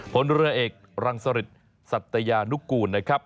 ผลเรือเอกรังสริตสัตยานุกูลนะครับ